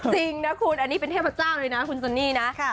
จริงนะคุณอันนี้เป็นเทพเจ้าเลยนะคุณซันนี่นะ